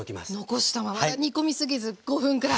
残したまま煮込み過ぎず５分くらい。